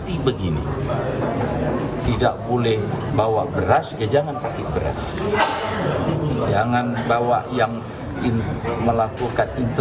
yang tidak boleh ya tidak boleh yang boleh lakukan